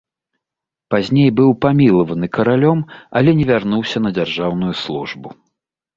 Пазней быў памілаваны каралём, але не вярнуўся на дзяржаўную службу.